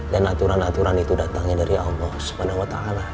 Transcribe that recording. dan aturan aturan itu datangnya dari allah swt